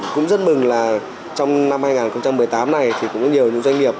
cũng rất mừng là trong năm hai nghìn một mươi tám này thì cũng có nhiều doanh nghiệp